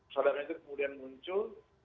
sadarannya itu kemudian muncul